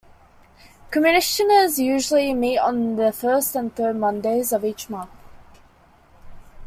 Commissioners usually meet on the first and third Mondays of each month.